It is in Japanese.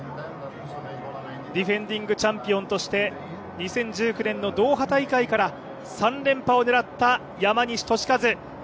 ディフェンディングチャンピオンとして２０１９年のドーハ大会から３連覇を狙った山西利和。